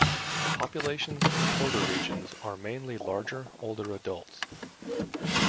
Populations in colder regions are mainly larger, older adults.